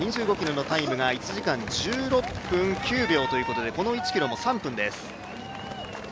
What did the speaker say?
２５ｋｍのタイムが１時間１６分９秒ということでこの１ｋｍも３分です。